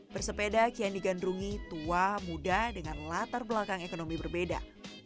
bersepeda kian digandrungi tua muda dengan latar belakang ekonomi berbeda